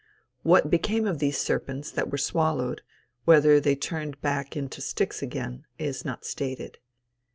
What became of these serpents that were swallowed, whether they turned back into sticks again, is not stated.